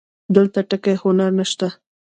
دلته ټکی هنر نه شته